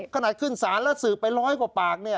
ขนาดขึ้นศาลแล้วสืบไปร้อยกว่าปากเนี่ย